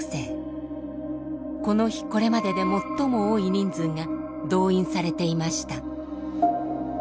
この日これまでで最も多い人数が動員されていました。